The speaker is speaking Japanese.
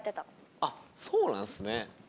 あっそうなんですね。